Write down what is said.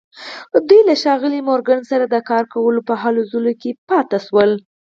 دوی له ښاغلي مورګان سره د کار کولو په هلو ځلو کې پاتې شول